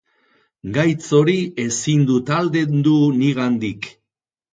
Gaitz hori ezin dut aldendu nigandik.